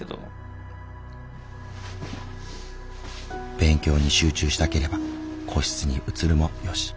勉強に集中したければ個室に移るもよし。